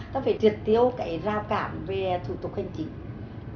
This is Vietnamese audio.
ta phải triệt tiêu cái rào cản về thủ tục hành chính